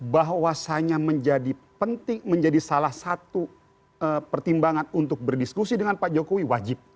bahwasannya menjadi penting menjadi salah satu pertimbangan untuk berdiskusi dengan pak jokowi wajib